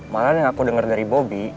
malah yang aku denger dari bobi